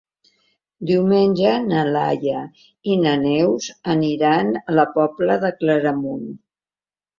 Diumenge na Laia i na Neus aniran a la Pobla de Claramunt.